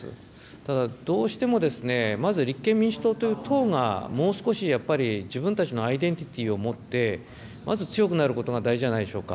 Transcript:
ただどうしても、まず立憲民主党という党が、もう少しやっぱり、自分たちのアイデンティティーを持って、まず強くなることが大事じゃないでしょうか。